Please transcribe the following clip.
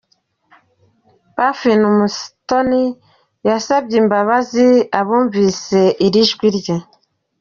Parfine Umutesi yasabye imbabazi abumvise iri jwi rye.